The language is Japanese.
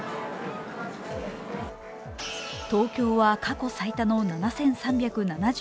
東京は過去最多の７３７７人。